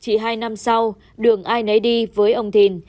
chỉ hai năm sau đường ai nấy đi với ông thìn